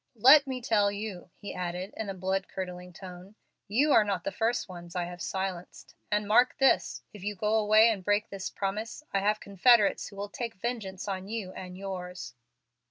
"Let me tell you," he added, in a blood curdling tone, "you are not the first ones I have silenced. And mark this if you go away and break this promise, I have confederates who will take vengeance on you and yours."